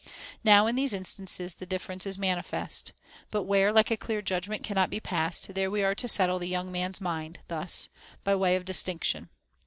Now in these instances the difference is manifest. But where a like clear judgment cannot be passed, there we are to settle the young man's mind thus, by way of dis tinction.